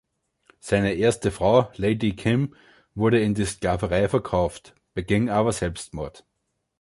Seine erste Frau Lady Kim wurde in die Sklaverei verkauft, beging aber Selbstmord.